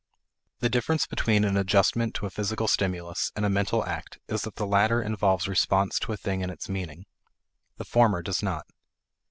The difference between an adjustment to a physical stimulus and a mental act is that the latter involves response to a thing in its meaning; the former does not.